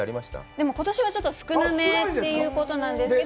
でも、ことしはちょっと少なめということなんですけど。